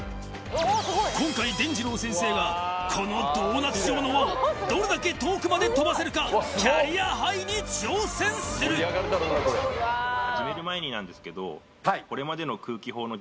今回でんじろう先生がこのドーナツ状の輪をどれだけ遠くまで飛ばせるかキャリアハイに挑戦する何ｍですか？